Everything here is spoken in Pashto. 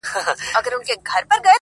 په خوله ﻻاله الاالله، په زړه غلا.